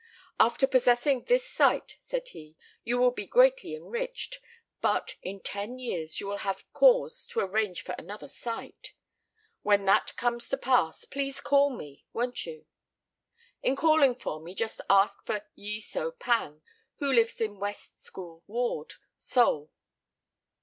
"After possessing this site," said he, "you will be greatly enriched, but in ten years you will have cause to arrange for another site. When that comes to pass please call me, won't you? In calling for me just ask for Yi So pang, who lives in West School Ward, Seoul."